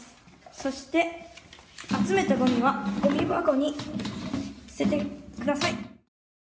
そして集めたごみはごみ箱に捨ててください。